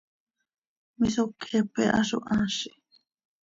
misoqueepe ha zo haazi!